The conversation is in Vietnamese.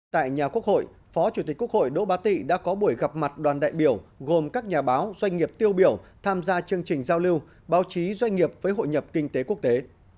tại nhà quốc hội phó chủ tịch quốc hội đỗ ba tị đã có buổi gặp mặt đoàn đại biểu gồm các nhà báo doanh nghiệp tiêu biểu tham gia chương trình giao lưu báo chí doanh nghiệp với hội nhập kinh tế quốc tế